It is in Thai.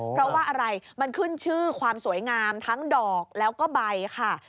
เพราะว่าอะไรมันขึ้นชื่อความสวยงามทั้งดอกแล้วก็ใบค่ะ